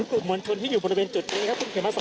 กลุ่มมวลชนที่อยู่บริเวณจุดนี้ครับคุณเขียนมาสอน